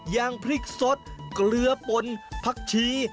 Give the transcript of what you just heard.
อย่างพริกสดเกลือปนผักชี